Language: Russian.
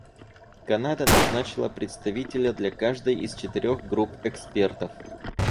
Канада назначила представителя для каждой из четырех групп экспертов.